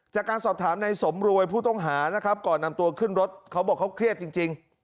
จากการสอบถามในสมรวยผู้ต้องหานะครับก่อนนำตัวขึ้นรถเขาบอกเขาเครียดจริง